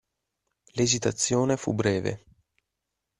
L'esitazione fu breve.